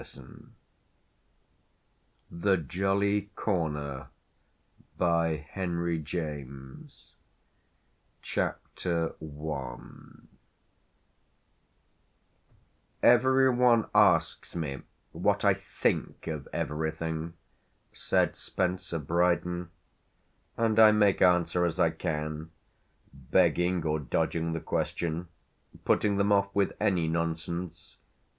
uk THE JOLLY CORNER by Henry James CHAPTER I "Every one asks me what I 'think' of everything," said Spencer Brydon; "and I make answer as I can begging or dodging the question, putting them off with any nonsense.